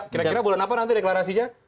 kira kira bulan apa nanti deklarasinya